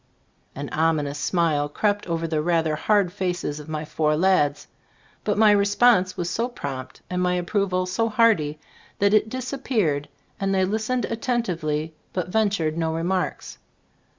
An ominous smile crept 1 18 XSbc Store of As CbflftbooO over the rather hard faces of my four lads, but my response was so prompt, and my approval so hearty, that it dis appeared and they listened attentively but ventured no remarks.